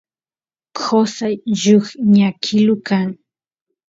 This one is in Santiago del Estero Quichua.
qosay lluqñakilu kan